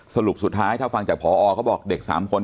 สรุปสุดท้ายถ้าฟังจากพอเขาบอกเด็ก๓คน